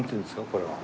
これは。